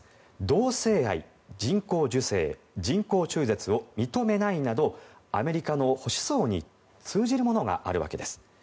同性愛、人工授精、人工中絶を認めないなどアメリカの保守層に通じるものがあるわけです。